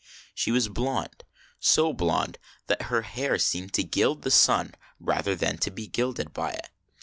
She was blond, so blond that her hair seemed to gild the sun rather than to be gilded by it.